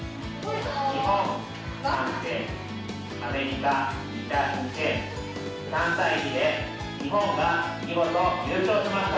日本３点、アメリカ２点、３対２で日本が見事、優勝しました。